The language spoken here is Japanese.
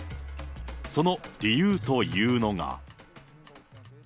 その理由というのが。